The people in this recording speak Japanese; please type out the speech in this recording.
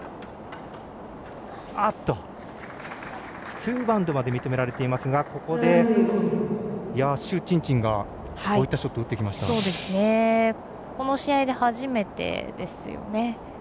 ツーバウンドまで認められていますがここで朱珍珍がこういったショットをこの試合で初めてですよね。